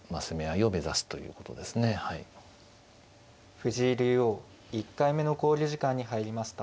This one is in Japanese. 藤井竜王１回目の考慮時間に入りました。